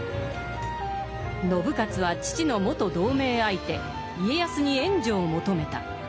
信雄は父の元同盟相手・家康に援助を求めた。